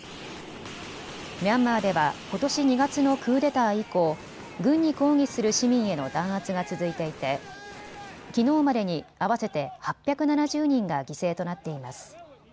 ミャンマーでは、ことし２月のクーデター以降、軍に抗議する市民への弾圧が続いていてきのうまでに合わせて８７０人が犠牲となっています。